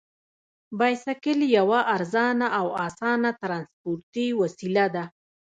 بایسکل یوه ارزانه او اسانه ترانسپورتي وسیله ده.